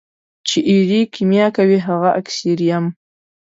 چي ایرې کېمیا کوي هغه اکسیر یم.